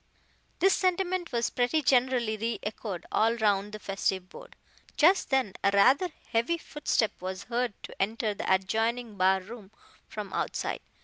This sentiment was pretty generally re echoed all round the festive board. Just then a rather heavy footstep was heard to enter the adjoining bar room from outside.